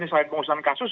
selain pengurusan kasus